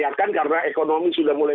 terkedua kita sudah mulai